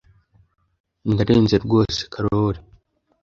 Ndarenze rwose Karoli.